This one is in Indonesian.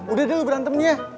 udah deh lo berantem nih ya